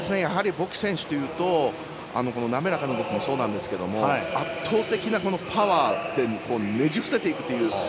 ボキ選手というと滑らかな泳ぎもそうですが圧倒的なパワーでねじ伏せていくという。